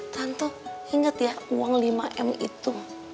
tanto ingat ya uang lima m itu